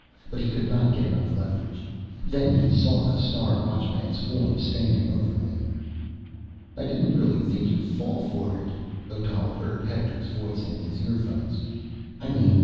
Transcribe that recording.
But he could not get enough leverage. Then he saw the Star Watchman's form standing over him. "I didn't really think you'd fall for it," Odal heard Hector's voice in his earphones. "I mean